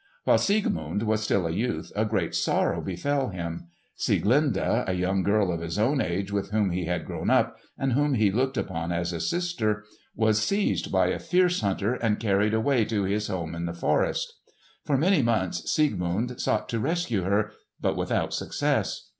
While Siegmund was still a youth a great sorrow befell him. Sieglinde a young girl of his own age with whom he had grown up, and whom he looked upon as a sister, was seized by a fierce hunter and carried away to his home in the forest. For many months Siegmund sought to rescue her, but without success.